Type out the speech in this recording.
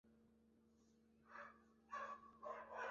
আপনাকে বাইরে রাখা হবে না।